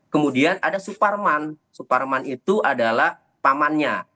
kemudian ada suparman suparman itu adalah pamannya